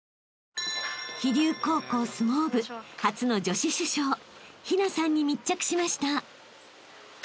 ［飛龍高校相撲部初の女子主将陽奈さんに密着しました］